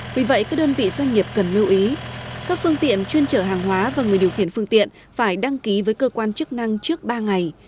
vì vậy các đơn vị doanh nghiệp cần lưu ý các phương tiện chuyên trở hàng hóa và người điều khiển phương tiện phải đăng ký với cơ quan chức năng trước ba ngày